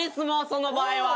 その場合は。